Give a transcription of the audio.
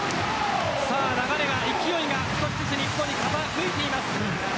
流れが、勢いが少しずつ日本に傾いています。